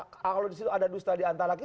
kalau disitu ada dusta di antara kita